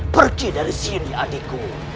pergi dari sini adikku